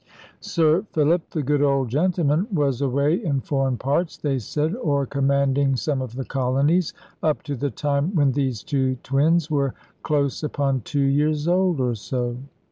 "Sir Philip, the good old gentleman, was away in foreign parts, they said, or commanding some of the colonies, up to the time when these two twins were close upon two years old, or so.